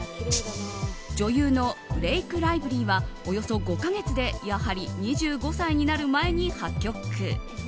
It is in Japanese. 女優のブレイク・ライヴリーはおよそ５か月でやはり２５歳になる前に破局。